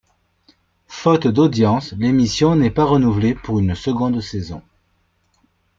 Faute d'audience, l'émission n'est pas renouvelée pour une seconde saison.